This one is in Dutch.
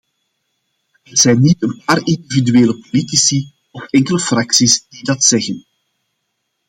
Het zijn niet een paar individuele politici of enkele fracties die dat zeggen.